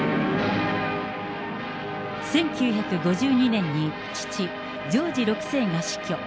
１９５２年に父、ジョージ６世が死去。